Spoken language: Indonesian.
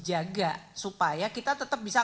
apakah anggaran ini akan menyebabkan